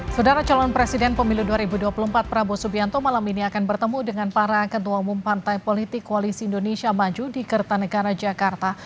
saudara calon presiden pemilu dua ribu dua puluh empat prabowo subianto malam ini akan bertemu dengan para ketua umum partai politik koalisi indonesia maju di kertanegara jakarta